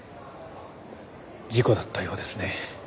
事故だったようですね。